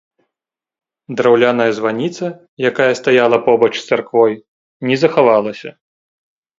Драўляная званіца, якая стаяла побач з царквой, не захавалася.